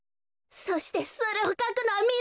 そしてそれをかくのはみろりん！